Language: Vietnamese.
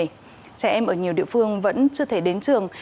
trẻ em ở nhiều địa phương vẫn chưa thể đến trường